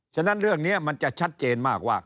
ฉะนั้นเรื่องนี้มันจะชัดเจนมากว่า